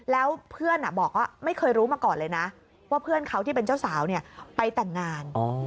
แล้วเพื่อนบอกว่าไม่เคยรู้มาก่อนเลยนะว่าเพื่อนเขาที่เป็นเจ้าสาวไปแต่งงาน